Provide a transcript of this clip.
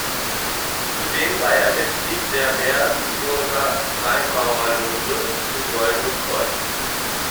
Zudem war er Mitglied der Merseburger Freimaurerloge "Zum goldenen Kreuz".